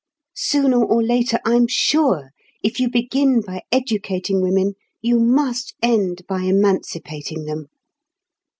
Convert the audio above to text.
Sooner or later, I'm sure, if you begin by educating women, you must end by emancipating them."